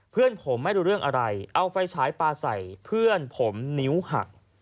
เพื่อนผมไม่รู้เรื่องอะไรเอาไฟฉายปลาใส่เพื่อนผมนิ้วหัก